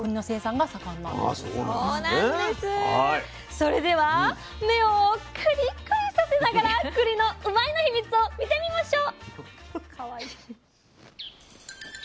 それでは目を「クリクリ」させながらくりのうまいッ！のヒミツを見てみましょう。